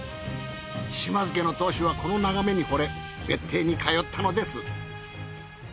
島津家の当主はこの眺めに惚れ別邸に通ったのです。